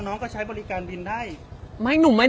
อันนี้ก็เสร็จแล้ว